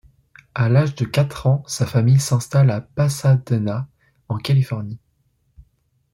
À l'âge de quatre ans sa famille s'installe à Pasadena en Californie.